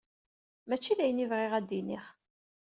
Mačči d ayen i bɣiɣ ad d-iniɣ.